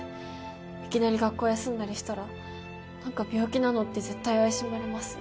いきなり学校休んだりしたら「なんか病気なの？」って絶対怪しまれます。